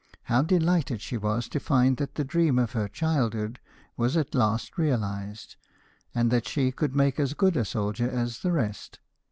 How delighted she was to find that the dream of her childhood was at last realised, and that she could make as good a soldier as the rest.